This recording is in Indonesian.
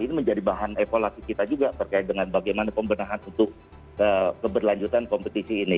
itu juga menjadi bahan evaluasi kita terkait dengan bagaimana pembenahan untuk keberlanjutan kompetisi ini